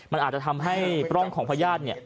มันอาจจะทำให้ปล้องของพญาติเนี่ย